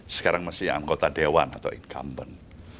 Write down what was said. sekarang masih anggota dewan atau incumbent